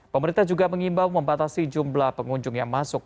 pemerintah juga mengimbau membatasi jumlah pengunjung yang masuk